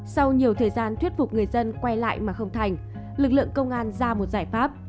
sau nhiều thời gian thuyết phục người dân quay lại mà không thành lực lượng công an ra một giải pháp